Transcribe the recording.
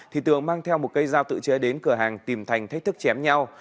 thì tường mang theo một cây dao tự chế đến cửa hàng tìm thành thách thức chém nhau